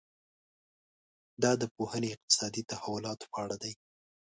دا پوهنې اقتصادي تحولاتو په اړه دي.